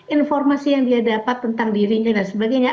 informasi yang dia dapat tentang dirinya dan sebagainya